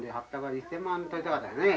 １，０００万取りたかったよね。